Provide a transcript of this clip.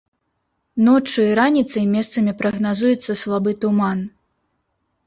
Ноччу і раніцай месцамі прагназуецца слабы туман.